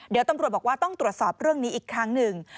เดี๋ยวตำรวจบอกว่าต้องตรวจสอบเรื่องนี้อีกครั้งหนึ่ง